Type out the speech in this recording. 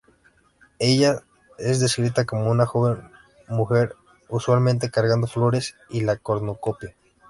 Ella es descrita como una joven mujer usualmente cargando flores y la cornucopia.